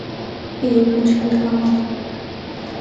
اے ہک مشکل کم آسا۔